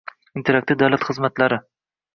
Interaktiv davlat xizmatlari: